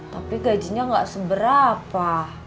tapi gajinya tidak seberapa